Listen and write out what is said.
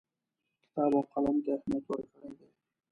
کتاب او قلم ته یې اهمیت ورکړی دی.